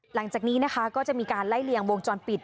หลังจากนี้นะคะก็จะมีการไล่เลียงวงจรปิด